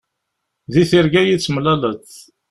Di tirga ad yi-d-temlaleḍ.